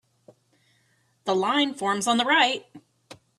The line forms on the right.